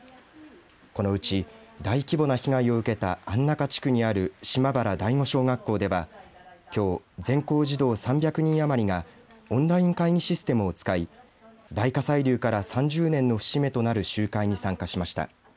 このうち、大規模な被害を受けた安中地区にある島原第五小学校ではきょう全校児童３００人余りがオンライン会議システムを使い大火砕流から３０年の節目となる集会に参加しました。